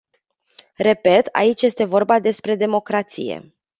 Repet, aici este vorba despre democrație.